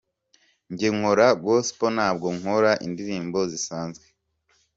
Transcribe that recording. Njye nkora gospel ntabwo nkora indirimbo zisanzwe.